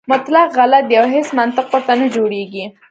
مطلق غلط دی او هیڅ منطق ورته نه جوړېږي.